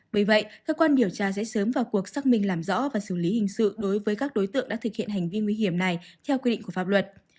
bởi vậy cơ quan điều tra sẽ sớm vào cuộc xác minh làm rõ và xử lý hình sự đối với các đối tượng đã thực hiện hành vi nguy hiểm này theo quy định của pháp luật